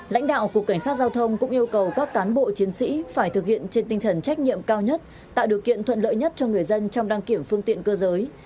lãnh đạo cục cảnh sát giao thông cũng yêu cầu các cán bộ chiến sĩ phải thực hiện trên tinh thần trách nhiệm cao nhất tạo điều kiện thuận lợi nhất cho người dân trong đăng kiểm phương tiện cơ giới